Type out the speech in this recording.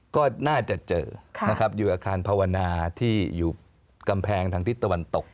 ก็น่าจะเจอนะครับอยู่อาคารภาวนาที่อยู่กำแพงทางทิศตะวันตก